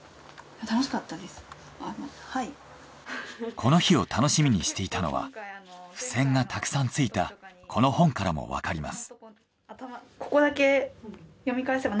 この日を楽しみにしていたのはふせんがたくさんついたこの本からもわかります。